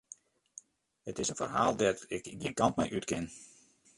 It is in ferhaal dêr't ik gjin kant mei út kin.